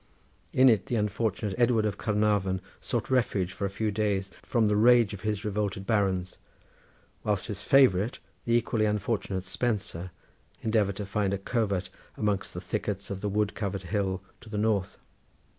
In it the unfortunate Edward of Carnarvon sought a refuge for a few days from the rage of his revolted barons, whilst his favourite the equally unfortunate Spencer endeavoured to find a covert amidst the thickets of the wood covered hill to the north.